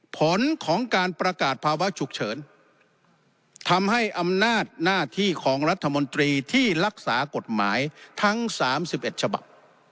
ผลของการประกาศภาวะฉุกเฉินทำให้อำนาจหน้าที่ของรัฐมนตรีที่รักษากฎหมายทั้ง๓๑ฉบับ